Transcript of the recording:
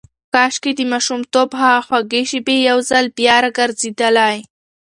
کاشکې د ماشومتوب هغه خوږې شېبې یو ځل بیا راګرځېدلای.